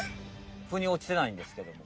ふにおちてないんですけども。